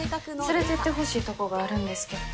連れていってほしい所があるんです。